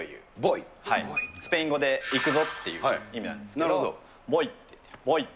スペイン語で行くぞっていう意味なんですけど、ボイって、ボイ。